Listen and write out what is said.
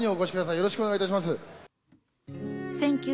よろしくお願いします。